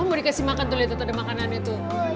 mau dikasih makan tuh lihat ada makanan itu